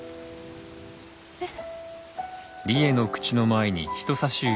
えっ。